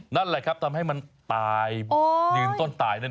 นั่นแหละครับทำให้มันตายยืนต้นตายนั่น